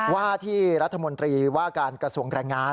ว่าที่รัฐมนตรีว่าการกระทรวงแรงงาน